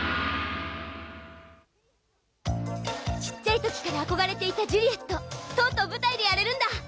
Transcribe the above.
ちっちゃい時から憧れていたジュリエットとうとう舞台でやれるんだ！